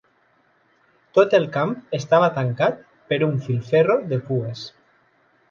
Tot el camp estava tancat per un filferro de pues.